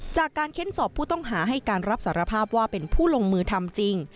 เค้นสอบผู้ต้องหาให้การรับสารภาพว่าเป็นผู้ลงมือทำจริง